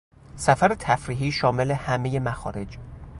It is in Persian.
سفر تفریحی شامل همهی مخارج